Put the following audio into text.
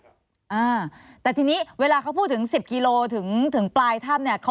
อ่าแต่ทีนี้เวลาเขาพูดถึงสิบกิโลถึงถึงปลายถ้ำเนี่ย